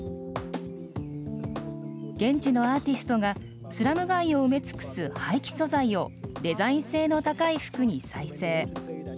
現地のアーティストがスラム街を埋め尽くす廃棄素材をデザイン性の高い服に再生。